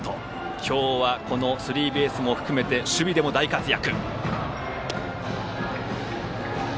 今日はスリーベースも含め守備でも大活躍。